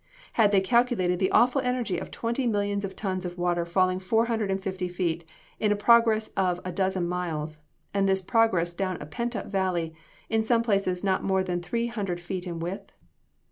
Had they calculated the awful energy of twenty millions of tons of water falling four hundred and fifty feet in a progress of a dozen miles; and this progress down a pent up valley, in some places not more than three hundred feet in width?